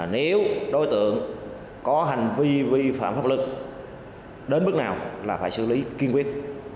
nếu đối tượng có hành vi vi phạm pháp lực đến bước nào là phải xử lý kiên quyết